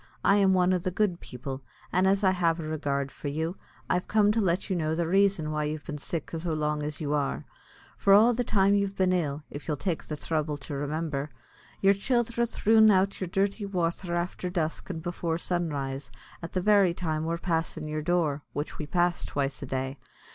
I am one o' the good people; an' as I have a regard for you, I'm come to let you know the raison why you've been sick so long as you are. For all the time you've been ill, if you'll take the thrubble to remimber, your childhre threwn out yer dirty wather afther dusk an' before sunrise, at the very time we're passin' yer door, which we pass twice a day.